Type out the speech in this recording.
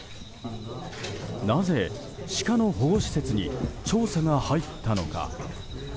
なぜ、シカの保護施設に調査が入ったのか。